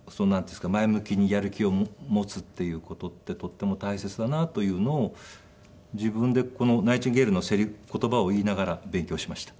前向きにやる気を持つっていう事ってとても大切だなというのを自分でこのナイチンゲールの言葉を言いながら勉強しました。